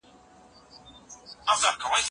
لس او لس شل کېږي.